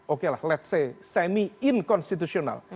oke lah let's say semi inkonstitusional